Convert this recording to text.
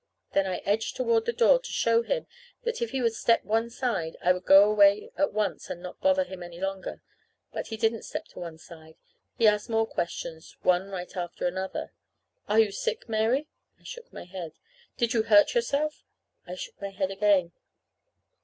Then I edged toward the door to show him that if he would step one side I would go away at once and not bother him any longer. But he didn't step one side. He asked more questions, one right after another. "Are you sick, Mary?" I shook my head. "Did you hurt yourself?" I shook my head again.